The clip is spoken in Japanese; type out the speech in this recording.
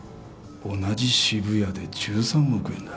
同じ渋谷で１３億円だ。